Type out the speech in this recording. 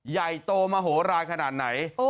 ใหญ่โตมโหลานขนาดไหน